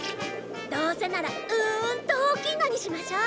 どうせならうんと大きいのにしましょう！